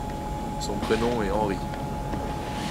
Son prénom est Henri.